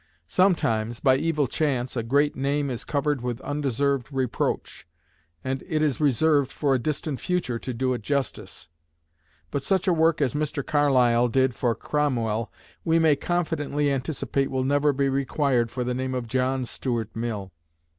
Sometimes, by evil chance, a great name is covered with undeserved reproach; and it is reserved for a distant future to do it justice. But such a work as Mr. Carlyle did for Cromwell we may confidently anticipate will never be required for the name of John Stuart Mill.